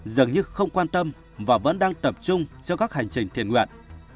dường như không quan tâm và vẫn đang tập trung cho các hành trình thiền nguyện